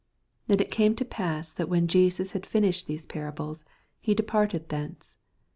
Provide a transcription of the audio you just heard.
58 And it came to pass, that when Jesus had finished these parables, he departed thence.